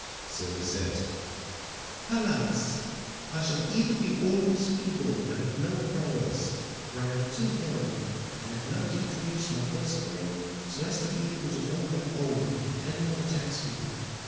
So he said: "Alas! I shall either be always feeble and of no prowess, or I am too young, and have not yet reached my full strength so as to be able to hold my own if any one attacks me.